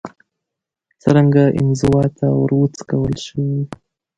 څرنګه انزوا ته وروڅکول شو